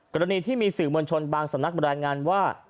กรณีที่มีสื่อมวลชนบางสำนักรายงานว่า